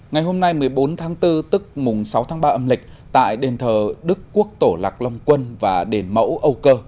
ngày hôm nay một mươi bốn tháng bốn tức mùng sáu tháng ba âm lịch tại đền thờ đức quốc tổ lạc long quân và đền mẫu âu cơ